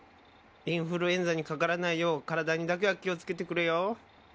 インフルエンザにかからないよう体にだけは気を付けてくれよ。